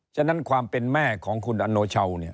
ฉะนั้นความเป็นแม่ของคุณอโนชาวเนี่ย